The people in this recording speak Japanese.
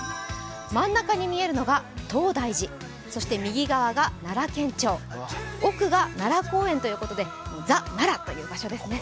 真ん中に見えるのが東大寺、そして、右側が奈良県庁奥が奈良公園ということでＴＨＥ奈良という場所ですね。